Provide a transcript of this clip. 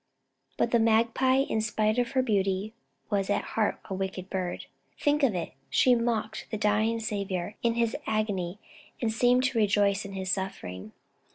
But the Magpie, in spite of her beauty, was at heart a wicked bird. Think of it! She mocked the dying Saviour in His agony and seemed to rejoice in His suffering!